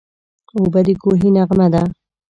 اوبه د کوهي نغمه ده.